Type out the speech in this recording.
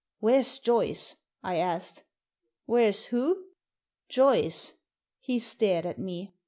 " Where's Joyce ?" I asked « Where's who?" * Joyce." He stared at me.